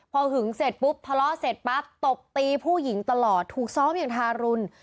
พอหึงเสร็จปุ๊บทะเลาะเสร็จปั๊บตบตีผู้หญิงตลอดถูกซ้อมอย่างทารุณ